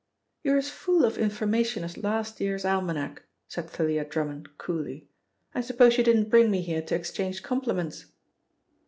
"You're as full of information as last year's almanac," said Thalia Drummond coolly. "I suppose you didn't bring me here to exchange compliments?"